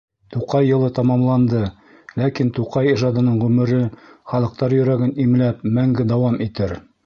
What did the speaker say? Туҡай йылы тамамланды, ләкин Туҡай ижадының ғүмере, халыҡтар йөрәген имләп, мәңге дауам итер.